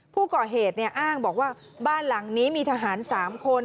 ผู้ก่อเหตุอ้างบอกว่าบ้านหลังนี้มีทหาร๓คน